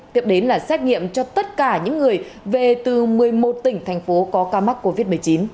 tiếp đến là xét nghiệm cho tất cả những người về từ một mươi một tỉnh thành phố có ca mắc covid một mươi chín